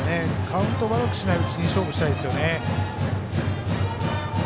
カウント悪くしないうちに勝負したいですね。